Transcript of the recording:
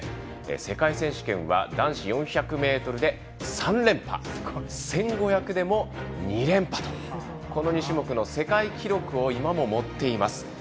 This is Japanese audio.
世界選手権は男子４００ｍで３連覇１５００でも２連覇とこの２種目の世界記録を今も持っています。